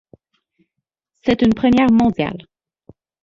C'est une première mondiale.